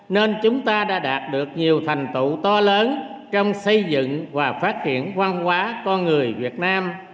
nên chúng ta đã đạt được nhiều thành tựu to lớn trong xây dựng và phát triển văn hóa con người việt nam